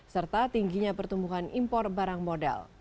serta tingginya pertumbuhan impor barang modal